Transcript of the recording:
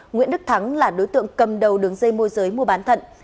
nguyễn đức thắng là đối tượng cầm đầu đường dây môi giới mua bán thận